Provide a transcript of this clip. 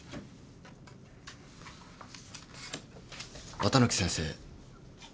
綿貫先生。